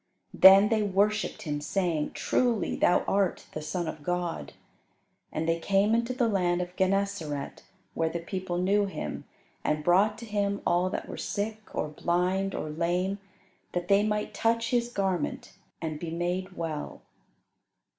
Then they worshipped him, saying, "Truly Thou art the Son of God." And they came into the land of Gennesaret, where the people knew Him and brought to Him all that were sick, or blind, or lame, that they might touch His garment and be made well.